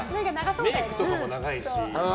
メイクとかも長いし。